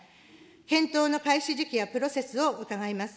検討の開始時期やプロセスを伺います。